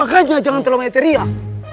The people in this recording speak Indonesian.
makanya jangan terlalu banyak teriak